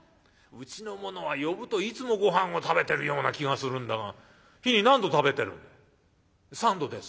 うちの者は呼ぶといつもごはんを食べてるような気がするんだが日に何度食べてるんだ？」。